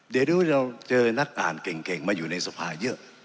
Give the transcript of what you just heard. เดี๋ยวดูเราเจอนักอ่านเก่งมาอยู่ในสภาเยอะ